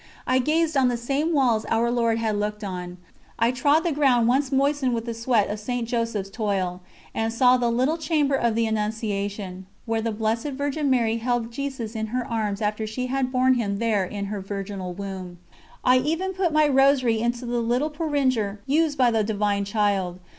I gazed on the same walls Our Lord had looked on. I trod the ground once moistened with the sweat of St. Joseph's toil, and saw the little chamber of the Annunciation, where the Blessed Virgin Mary held Jesus in her arms after she had borne Him there in her virginal womb. I even put my Rosary into the little porringer used by the Divine Child.